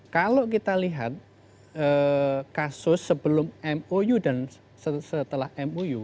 kalau kita lihat kasus sebelum mou dan setelah mou